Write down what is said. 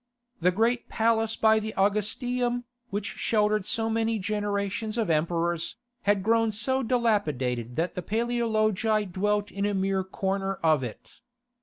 The great palace by the Augustaeum, which sheltered so many generations of emperors, had grown so dilapidated that the Paleologi dwelt in a mere corner of it.